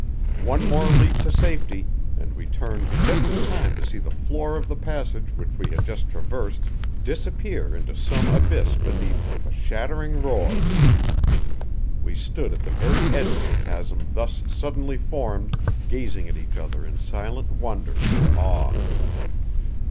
One more leap to safety, and we turned just in time to see the floor of the passage which we had traversed disappear into some abyss beneath with a shattering roar. We stood at the very edge of the chasm thus suddenly formed, gazing at each other in silent wonder and awe.